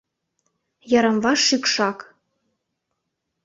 Йырым-ваш шӱкшак.